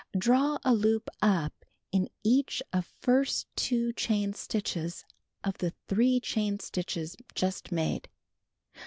Draw a loop up in each of first two chain stitches of the three chain stitches just made.